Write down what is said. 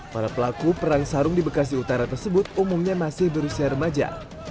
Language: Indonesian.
para pelaku perang sarung di bekasi utara tersebut umumnya masih berusia remaja